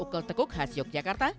sanggul ukul tekuk khas yogyakarta